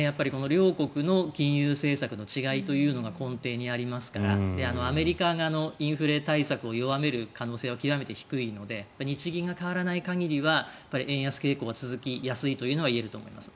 両国の金融政策の違いというのが根底にありますからアメリカがインフレ対策を弱める可能性は極めて低いので日銀が変わらない限りは円安傾向は続きやすいというのは言えると思います。